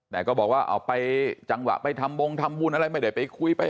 แต่เขาบอกว่าเอาไปจังหวะไปทรำวงทหารมูลอะไรไม่ได้ไปคุยไปปะ